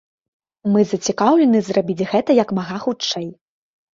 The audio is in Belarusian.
Мы зацікаўлены зрабіць гэта як мага хутчэй.